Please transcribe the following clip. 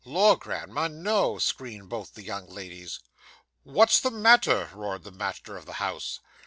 'Lor, grandma! No,' screamed both the young ladies. 'What's the matter?' roared the master of the house.